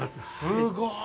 すごい。